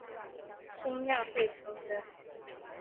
兴亚会成员。